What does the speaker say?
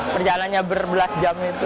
perjalannya berbelas jam itu